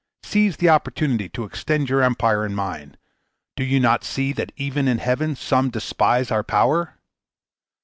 Seize the opportunity to extend your empire and mine. Do you not see that even in heaven some despise our power?